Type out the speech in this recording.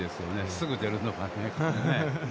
すぐ出るのがね。